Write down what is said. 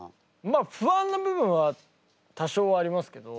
まあ不安な部分は多少ありますけど。